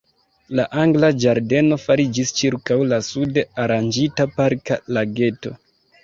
La Angla ĝardeno fariĝis ĉirkaŭ la sude aranĝita Parka lageto.